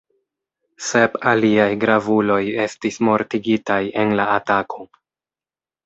Sep aliaj gravuloj estis mortigitaj en la atako.